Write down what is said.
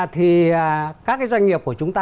thì các doanh nghiệp của chúng ta